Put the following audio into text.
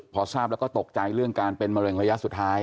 พอทราบแล้วก็ตกใจเรื่องการเป็นมะเร็งระยะสุดท้าย